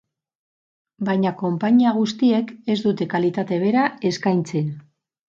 Baina konpainia guztiek ez dute kalitate bera eskaintzen.